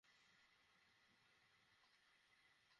দিতে চাই, কিন্তু পারব না।